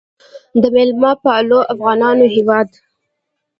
د میلمه پالو افغانانو هیواد.